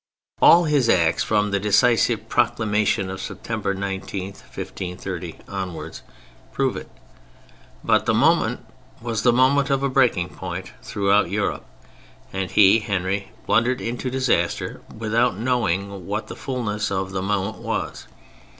All his acts from the decisive Proclamation of September 19, 1530, onwards prove it. But the moment was the moment of a breaking point throughout Europe, and he, Henry, blundered into disaster without knowing what the fullness of that moment was.